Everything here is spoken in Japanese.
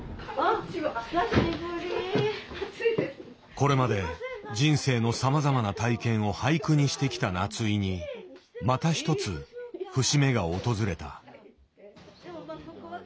これまで人生のさまざまな体験を俳句にしてきた夏井にまた一つ節目が訪れた。